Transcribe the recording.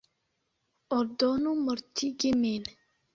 Ordonu mortigi min!